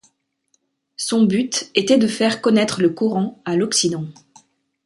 Son but était de faire connaître le Coran à l'Occident.